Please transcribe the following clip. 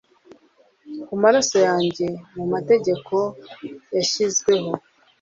ku maraso yanjye mumategeko yashyizeho